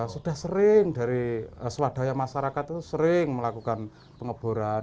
sudah sering dari swadaya masyarakat itu sering melakukan pengeboran